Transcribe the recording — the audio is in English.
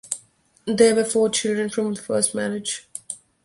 There were four children from the first marriage.